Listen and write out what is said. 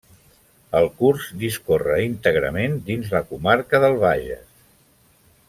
El curs discorre íntegrament dins la comarca del Bages.